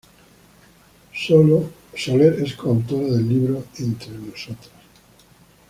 Soler es co-autora del libro ""Entre nosotras.